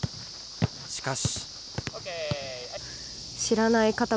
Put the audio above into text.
しかし。